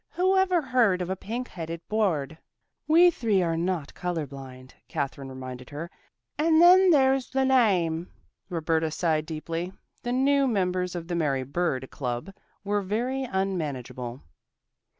Who ever heard of a pink headed bird?" "We three are not color blind," Katherine reminded her. "And then there's the name." Roberta sighed deeply. The new members of the Mary bird club were very unmanageable.